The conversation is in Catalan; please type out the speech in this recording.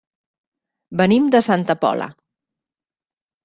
Venim de Santa Pola.